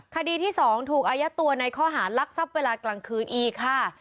คดีที่๒ถูกอายัดตัวในข้อหารักทรัพย์เวลากลางคืนอีกค่ะ